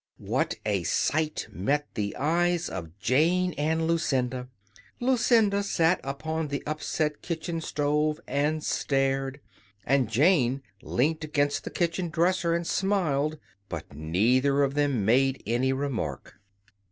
What a sight met the eyes of Jane and Lucinda! Lucinda sat upon the upset kitchen stove and stared; and Jane leant against the kitchen dresser and smiled but neither of them made any remark.